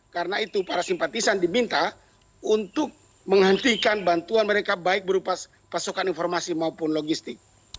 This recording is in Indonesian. karena itu para simpatisan diminta untuk menghentikan bantuan mereka baik berupa pasokan informasi maupun logistik